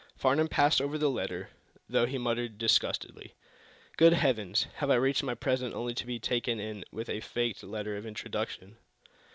Farnum passed over the letter, though he muttered, disgustedly: "Good heavens, have I reached my present only to be taken in with a faked letter of introduction?"